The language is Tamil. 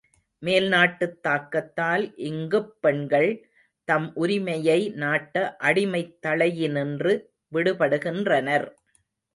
மேல் நாட்டுத் தாக்கத்தால் இங்குப் பெண்கள் தம் உரிமையை நாட்ட அடிமைத் தளையினின்று விடுபடு கின்றனர்.